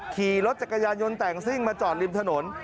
ขี่รถจักรยานยนต์แต่งซิ่งมาจอดริมถนน